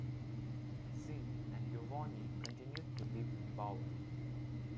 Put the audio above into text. Jean and Yvonne continued to live in Bowen.